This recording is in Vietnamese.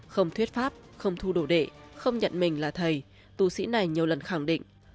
không thuyết pháp không thu đồ đệ không nhận mình là thầy tù sĩ này nhiều lần khẳng định